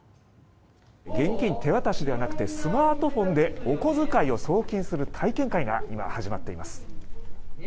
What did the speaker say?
現金、手渡しではなくスマートフォンでお小遣いを送金する体験会が今、始まっています。